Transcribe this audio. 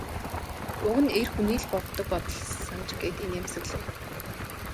Уг нь эр хүний л боддог бодол санж гээд инээмсэглэв.